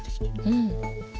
うん。